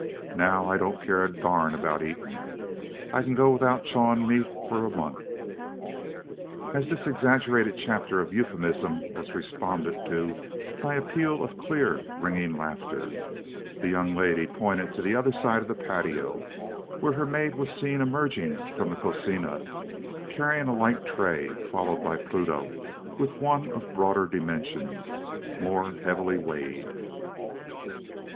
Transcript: Neow I don't care a durn about eatin'. I ked go 'ithout chawin' meat for month." As this exaggerated chapter of euphemism was responded to by a peal of clear ringing laughter, the young lady pointed to the other side of the patio; where her maid was seer emerging from the "cocina," carrying a light tray followed by Pluto with one of broader dimensions, more heavily weighted.